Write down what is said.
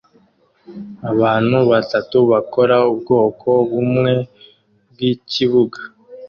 Abantu batatu bakora ubwoko bumwe bwikibuga